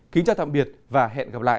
kính chào tạm biệt và hẹn gặp lại